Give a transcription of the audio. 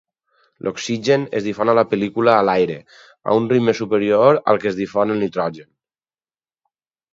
L'oxigen es difon a la pel·lícula a l'aire a un ritme superior al que es difon el nitrogen.